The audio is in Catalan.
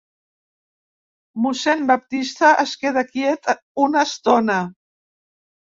Mossèn Baptista es queda quiet una estona.